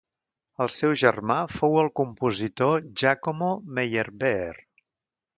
El seu germà fou el compositor Giacomo Meyerbeer.